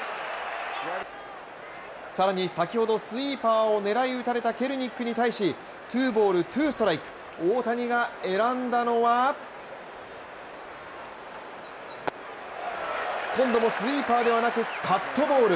更に、先ほどスイーパーを狙い打たれたケルニックに対し、ツーボール・ツーストライク、大谷が選んだのは今度もスイーパーではなくカットボール。